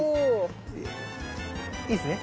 いいですね？